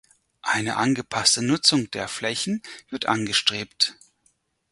Eine angepasste Nutzung der Flächen wird angestrebt.